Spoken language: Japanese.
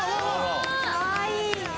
かわいい！